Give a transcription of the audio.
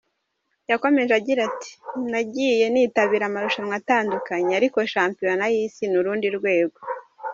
Yakomeje agira ati “Nagiye nitabira amarushanwa atandukanye ariko shampiyona y’isi ni urundi rwego.